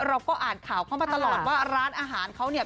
เราก็อ่านข่าวเข้ามาตลอดว่าร้านอาหารเขาเนี่ย